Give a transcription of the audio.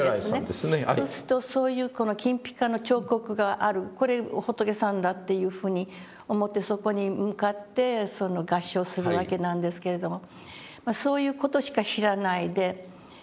そうするとそういうこの金ピカの彫刻がある「これ仏さんだ」というふうに思ってそこに向かって合掌するわけなんですけれどもそういう事しか知らないで。